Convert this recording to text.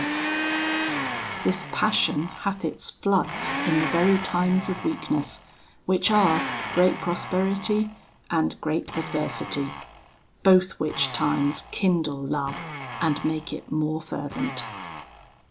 VIII This Passion hath its floods in the very times of weakness, which are great prosperity, and great adversity; both which times kindle Love, and make it more fervent.